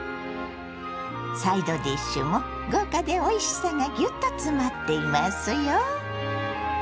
サイドディッシュも豪華でおいしさがギュッと詰まっていますよ。